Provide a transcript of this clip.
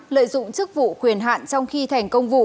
lợi dụng chức vụ quyền hạn trong khi thành công vụ